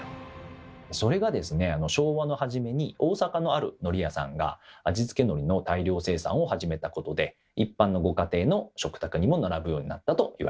それがですね昭和の初めに大阪のあるのり屋さんが味付けのりの大量生産を始めたことで一般のご家庭の食卓にも並ぶようになったといわれています。